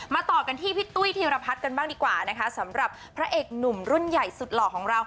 ต่อกันที่พี่ตุ้ยธีรพัฒน์กันบ้างดีกว่านะคะสำหรับพระเอกหนุ่มรุ่นใหญ่สุดหล่อของเรา